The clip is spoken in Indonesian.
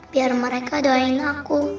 biar mereka doain aku